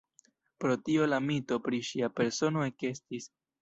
Pro tio la mito pri ŝia persono ekestis.